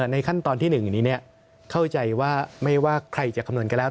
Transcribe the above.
ในขั้นตอนที่๑นี้เข้าใจว่าไม่ว่าใครจะคำนวณก็แล้ว